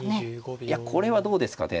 いやこれはどうですかね。